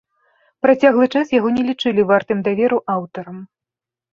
Працяглы час яго не лічылі вартым даверу аўтарам.